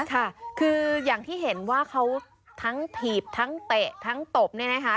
ค่ะคืออย่างที่เห็นว่าเขาทั้งถีบทั้งเตะทั้งตบเนี่ยนะคะ